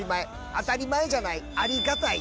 「当たり前じゃない」「有り難い」。